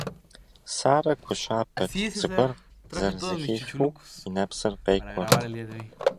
Сарэ гу щабэт, зыгуэр зэрызэхихыу и нэпсыр къекӏуэрт.